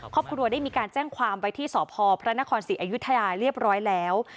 ครอบครัวได้มีการแจ้งความไว้ที่สพพระนครศรีอยุธยาเรียบร้อยแล้ว